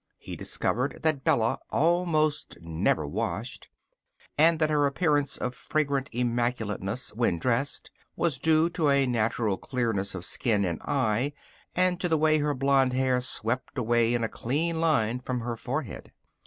He discovered that Bella almost never washed and that her appearance of fragrant immaculateness, when dressed, was due to a natural clearness of skin and eye, and to the way her blond hair swept away in a clean line from her forehead.